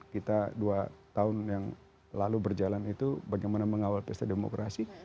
kita dua tahun yang lalu berjalan itu bagaimana mengawal pesta demokrasi